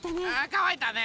かわいたね！